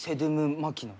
マキノイ。